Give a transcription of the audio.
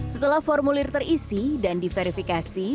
setelah formulir terisi dan diverifikasi